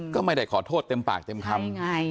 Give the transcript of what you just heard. ก็ไม่ได้ขอโทษเต็มปากเต็มคำ